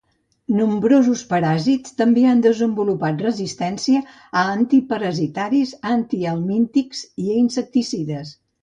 Nombrosos paràsits també han desenvolupat resistència a antiparasitaris, antihelmíntics i insecticides.